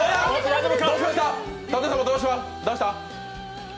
舘様、どうしました？